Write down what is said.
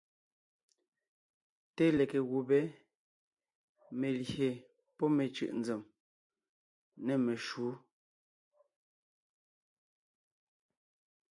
Té lege gùbé (melyè pɔ́ mecʉ̀ʼ nzèm) nê meshǔ.